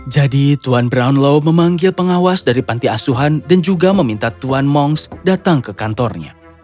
jadi tuan brownlow memanggil pengawas dari panti asuhan dan juga meminta tuan monks datang ke kantornya